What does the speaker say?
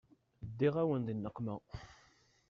Ddiɣ-awen di nneqma.